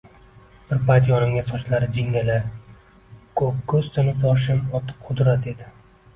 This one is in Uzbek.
Bir payt yonimga sochlari jingala, koʻkkoʻz sinfdoshim – oti Qudrat edi.